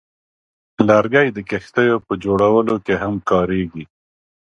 لرګی د کښتیو په جوړولو کې هم کارېږي.